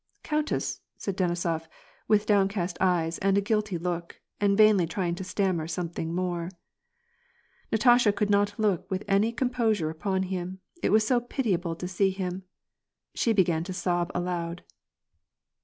" Countess," said Denisof, with downcast eyes, and a guilty look, and vainly trying to stammer something more. Natasha could not look with any composure upon him, it was so pitiable to see him. She began to sob aloud.